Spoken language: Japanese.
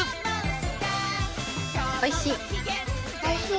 おいしい？